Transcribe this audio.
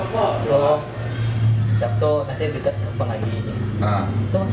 jatuh nanti ditutup lagi